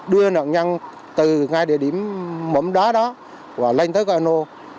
đưa nạn nhân từ ngay địa điểm mẫm đá đó và lên tới cano